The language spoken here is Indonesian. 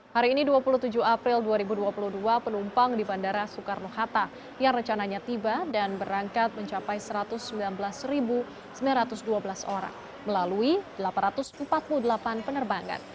hari ini dua puluh tujuh april dua ribu dua puluh dua penumpang di bandara soekarno hatta yang rencananya tiba dan berangkat mencapai satu ratus sembilan belas sembilan ratus dua belas orang melalui delapan ratus empat puluh delapan penerbangan